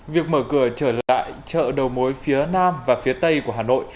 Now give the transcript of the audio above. việc mở cửa trở lại chợ đầu mối phía nam và phía tây của hà nội